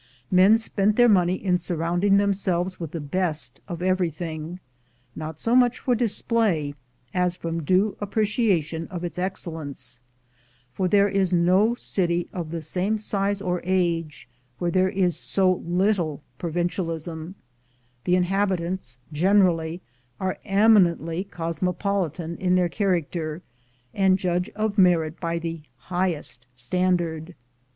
Men spent their money in surrounding themselves with the best of everything, not so much for display as from due appreciation of its excellence; for there is no city of the same size or age where there is so little provincialism; the inhabitants, generally, are eminently cosmopolitan in their character, and judge of merit by the highest standard.